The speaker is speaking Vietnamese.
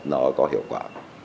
nó có hiệu quả